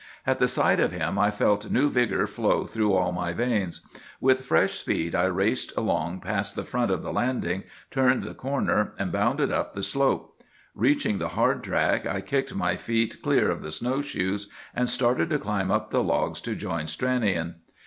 "At the sight of him I felt new vigor flow through all my veins. With fresh speed I raced along past the front of the landing, turned the corner, and bounded up the slope. Reaching the hard track, I kicked my feet clear of the snow shoes, and started to climb up the logs to join Stranion.